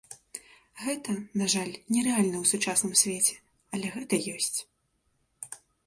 Гэта, на жаль, не рэальна ў сучасным свеце, але гэта ёсць.